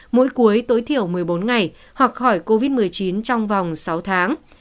mỗi cuối tối thiểu một mươi bốn ngày hoặc khỏi covid một mươi chín trong vòng sáu tháng